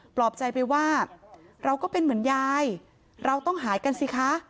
ปลอบใจไปว่าเราก็เป็นเหมือนยายเราต้องหายกันสิคะ